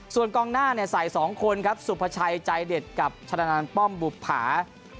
ส่วนกองหน้าใส่๒คนครับสุภาชัยใจเด็ดกับชนะนานป้อมบุภา